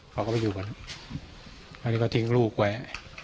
แต่นี่ก็ทิ้งลูกแวะ